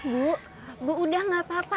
bu bu udah gak apa apa